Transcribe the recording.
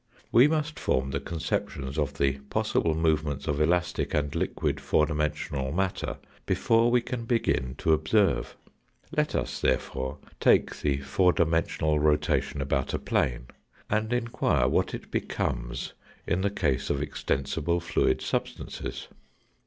We must form the conceptions of the possible move ments of elastic and liquid four dimensional matter, before we can begin to observe. Let us, therefore, take the four dimensional rotation about a plane, and enquire what it becomes in the case of extensible fluid substances.